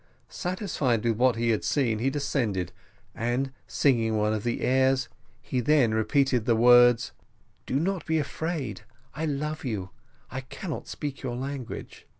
Satisfied with what he had seen, he descended, and singing one of the airs, he then repeated the words, "Do not be afraid I love you I cannot speak your language."